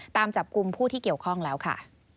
ตามจับกลุ่มผู้ที่เกี่ยวข้องแล้วค่ะ